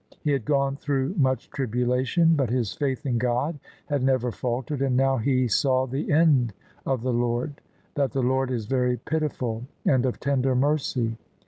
He had gone through much tribulation, but his faith in God had never faltered; and now he saw the end of the Lord: that the Lord is very pitiful and of tender mercy.